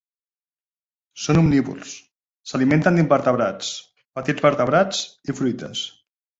Són omnívors, s'alimenten d'invertebrats, petits vertebrats i fruites.